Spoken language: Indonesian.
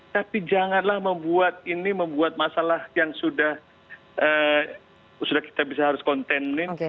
tapi janganlah membuat ini membuat masalah yang sudah kita bisa harus kontenin